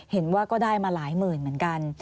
เห็นว่าก็ได้มาหลายหมื่นเหมือนกัน